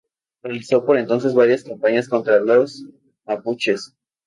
Realizó por entonces varias campañas contra los mapuches.